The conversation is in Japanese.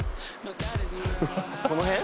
この辺？